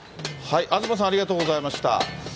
東さん、ありがとうございました。